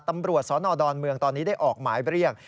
ตำรวจสนดอนเมืองตอนนี้ได้ออกหมายเรียก